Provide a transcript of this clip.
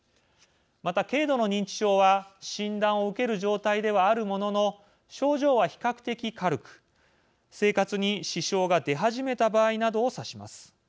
また、軽度の認知症は診断を受ける状態ではあるものの症状は比較的軽く生活に支障が出始めた場合などを指します。